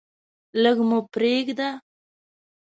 لږ مو پریږده.